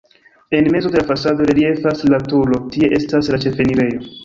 En mezo de la fasado reliefas la turo, tie estas la ĉefenirejo.